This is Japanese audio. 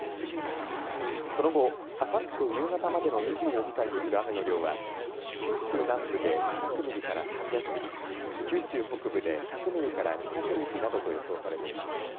その後、あさって夕方までの２４時間に降る雨の量は九州南部で２００ミリから３００ミリ九州北部で１００ミリから２００ミリなどと予想されています。